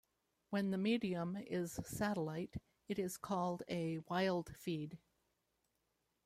When the medium is satellite, it is called a wildfeed.